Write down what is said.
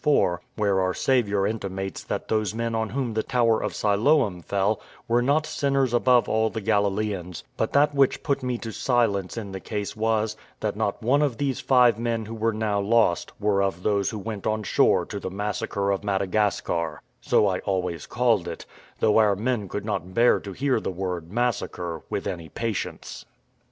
4, where our Saviour intimates that those men on whom the Tower of Siloam fell were not sinners above all the Galileans; but that which put me to silence in the case was, that not one of these five men who were now lost were of those who went on shore to the massacre of Madagascar, so I always called it, though our men could not bear to hear the word massacre with any patience.